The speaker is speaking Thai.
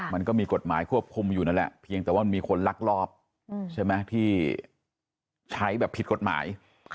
มันก็มีกฎหมายควบคุมอยู่นั่นแหละเพียงแต่ว่ามันมีคนลักลอบใช่ไหมที่ใช้แบบผิดกฎหมาย